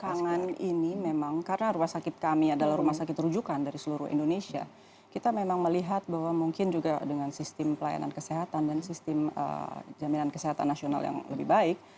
jadi belakangan ini memang karena rumah sakit kami adalah rumah sakit rujukan dari seluruh indonesia kita memang melihat bahwa mungkin juga dengan sistem pelayanan kesehatan dan sistem jaminan kesehatan nasional yang lebih baik